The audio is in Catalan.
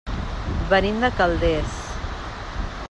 Venim de Calders.